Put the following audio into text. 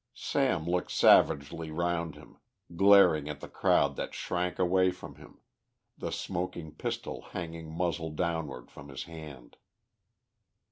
Sam looked savagely round him, glaring at the crowd that shrank away from him, the smoking pistol hanging muzzle downward from his hand.